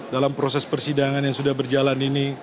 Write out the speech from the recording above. dalam proses persidangan yang sudah berjalan ini